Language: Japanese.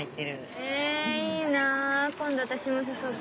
えいいな今度私も誘って。